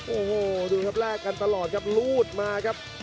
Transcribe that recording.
โอ้โหดูครับแลกกันตลอดครับรูดมาครับ